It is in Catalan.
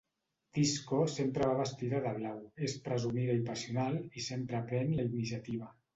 Disco sempre va vestida de blau, és presumida i passional i sempre pren la iniciativa.